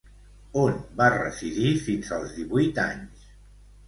On va residir fins als divuit anys?